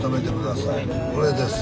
これです。